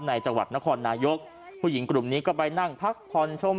จังหวัดนครนายกผู้หญิงกลุ่มนี้ก็ไปนั่งพักผ่อนชม